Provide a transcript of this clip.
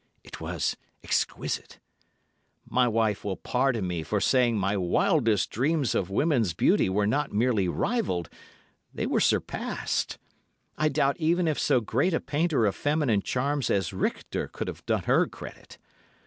It was exquisite. My wife will pardon me for saying my wildest dreams of woman's beauty were not merely rivalled, they were surpassed. I doubt even if so great a painter of feminine charms as Richter could have done her credit.